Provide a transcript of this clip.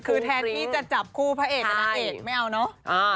คือแทนที่จะจับคู่พระเอกกับนางเอกไม่เอาเนอะ